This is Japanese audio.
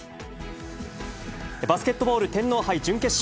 バスケットボール天皇杯準決勝。